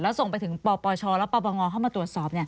แล้วส่งไปถึงปปชและปปงเข้ามาตรวจสอบ